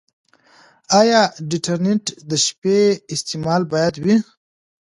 ایا ډیوډرنټ د شپې استعمال باید وي؟